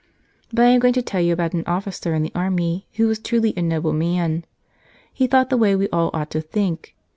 '' But I am going to tell you about an officer in the army who was truly a noble man. He thought the way we all ought to think.